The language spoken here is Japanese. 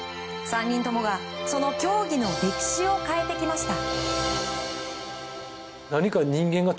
３人共がその競技の歴史を変えてきました。